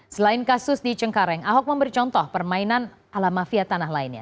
selain kasus di cengkareng ahok memberi contoh permainan ala mafia tanah lainnya